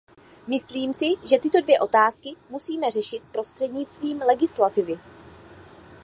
Myslím si, že tyto dvě otázky musíme řešit prostřednictvím legislativy.